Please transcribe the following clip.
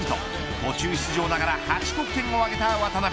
途中出場ながら８得点を挙げた渡邊。